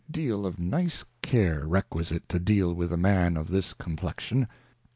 deal of nice Care requisite to deal with a Man of this Com plexion.